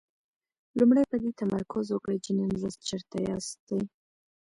لومړی په دې تمرکز وکړئ چې نن ورځ چېرته ياستئ.